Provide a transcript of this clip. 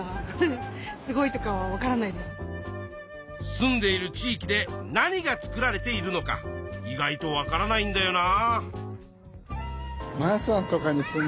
住んでいる地域で何が作られているのか意外とわからないんだよな。